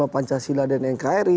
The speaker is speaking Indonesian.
pancasila dan nkri